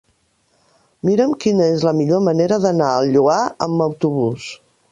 Mira'm quina és la millor manera d'anar al Lloar amb autobús.